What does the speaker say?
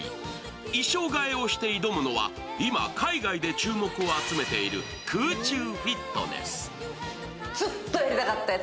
衣装替えをして挑むのは今、海外で注目を集めている空中フィットネス。